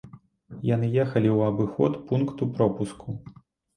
Яны ехалі ў абыход пункту пропуску.